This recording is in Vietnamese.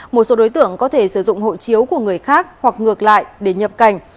một số đối tượng có thể sử dụng hộ chiếu của người khác hoặc ngược lại để nhập cảnh